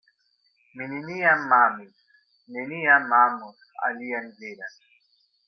Mi neniam amis, neniam amos alian viron.